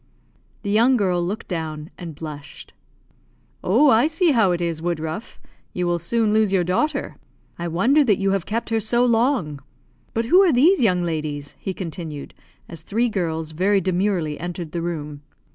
The young girl looked down, and blushed. "Oh, I see how it is, Woodruff! You will soon lose your daughter. I wonder that you have kept her so long. But who are these young ladies?" he continued, as three girls very demurely entered the room.